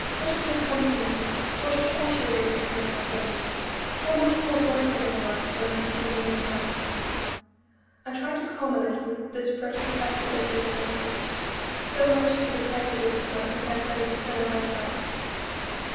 What good company! What pleasure they took in high things! How much more worthy they were than the people who live now!" I tried to calm a little this retrospective enthusiasm, so much to the prejudice of my contemporaries and of myself.